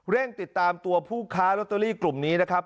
ติดตามตัวผู้ค้าลอตเตอรี่กลุ่มนี้นะครับ